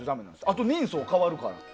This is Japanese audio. あと、人相も変わるから。